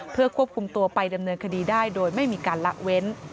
เพื่อควบคุมตัวไปดำเนินคดีได้โดยไม่มีการละเว้น